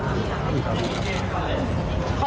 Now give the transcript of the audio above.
ขอบคุณครับ